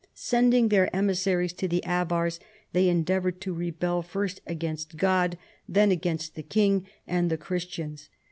Sending their emissaries to the Avars, they endeavored to rebel first against God, then against the king and the Christians.